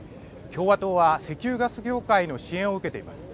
共和党は石油・ガス業界の支援を受けています。